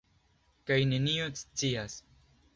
Kaj neniu scias.